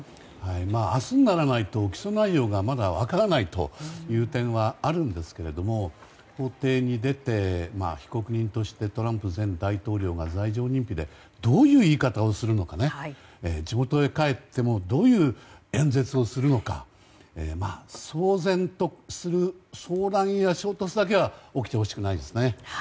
明日にならないと起訴内容がまだ分からない点はあるんですが法廷に出て被告人としてトランプ前大統領が罪状認否でどういう言い方をするのか地元に帰ってもどういう演説をするのか騒乱や衝突だけは起きてほしくないですね。